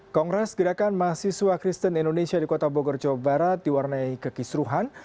kongres gerakan mahasiswa kristen indonesia di kota bogor jawa barat diwarnai kekisruhan